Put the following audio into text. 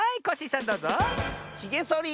ひげそり！